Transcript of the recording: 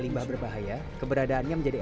limbah berbahaya keberadaannya menjadi